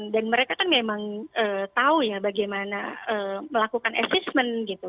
dan mereka kan memang tahu ya bagaimana melakukan assessment gitu